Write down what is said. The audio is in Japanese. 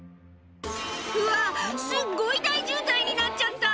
うわっ、すっごい大渋滞になっちゃった。